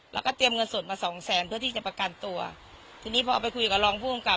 แล้วก็เตรียมเงินสดมาสองแสนเพื่อที่จะประกันตัวทีนี้พอเอาไปคุยกับรองผู้กำกับ